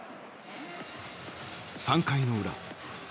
３回の裏。